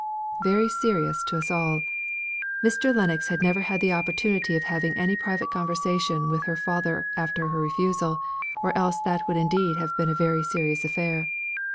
"Very serious to us all." Mr. Lennox had never had the opportunity of having any private conversation with her father after her refusal, or else that would indeed be a very serious affair.